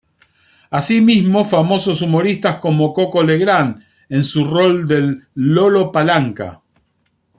Asimismo, famosos humoristas, como Coco Legrand en su rol del ""Lolo Palanca"".